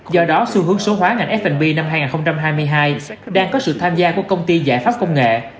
do đó xu hướng số hóa ngành f b năm hai nghìn hai mươi hai đang có sự tham gia của công ty giải pháp công nghệ